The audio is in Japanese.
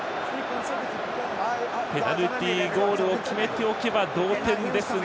ペナルティゴールを決めておけば同点ですが。